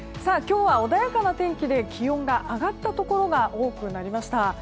今日は穏やかな天気で気温が上がったところが多くなりました。